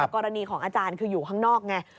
กรณีของอาจารย์คืออยู่ข้างนอกไง